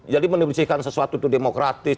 jadi menembusikan sesuatu itu demokratis